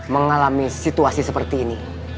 mengalami situasi seperti ini